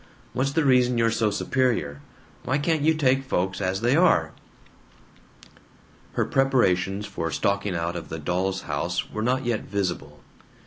What's the reason you're so superior? Why can't you take folks as they are?" Her preparations for stalking out of the Doll's House were not yet visible.